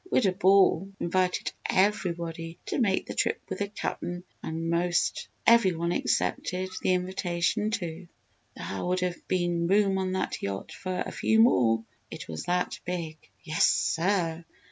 "Widder Ball invited everybody to make the trip with the Cap'n an' most every one accepted the invitation, too. Thar would have been room on that yacht fer a few more it was that big. "Yes, sir!